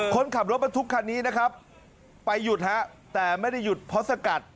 คนขับรถบรรทุกคันนี้นะครับไปหยุดฮะแต่ไม่ได้หยุดเพราะสกัด